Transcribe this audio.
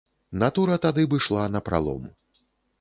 Натура тады б ішла напралом.